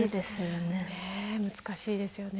難しいですよね。